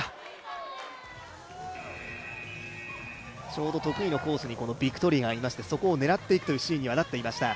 ちょうど得意のコースにビクトリアがいましてそこを狙って打っているシーンにはなっていました。